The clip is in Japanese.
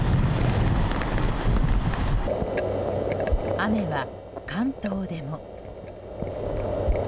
雨は関東でも。